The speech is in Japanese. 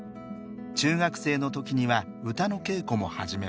中学生の時には歌の稽古も始めます。